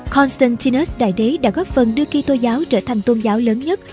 constantinus đại đế đã góp phần đưa kỳ tô giáo trở thành tôn giáo lớn nhất